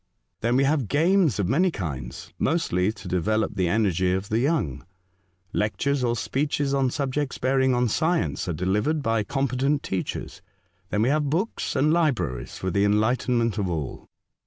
Then we have games of many kinds, mostly to develop the energy of the young. Lectures or speeches on subjects bearing on science are delivered by competent teachers. Then we have books and libraries for the enlightenment of all.